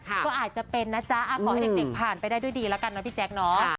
ก็อาจจะเป็นนะจ๊ะขอให้เด็กผ่านไปได้ด้วยดีแล้วกันนะพี่แจ๊คเนาะ